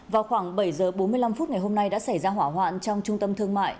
vào khoảng bảy giờ bốn mươi năm phút ngày hôm nay đã xảy ra hỏa hoạn trong trung tâm thương mại